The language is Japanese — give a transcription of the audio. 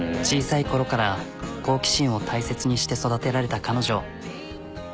小さいころから好奇心を大切にして育てられた彼女。